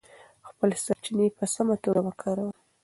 خپلې سرچینې په سمه توګه وکاروئ.